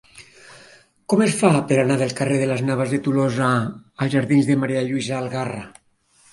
Com es fa per anar del carrer de Las Navas de Tolosa als jardins de Ma. Lluïsa Algarra?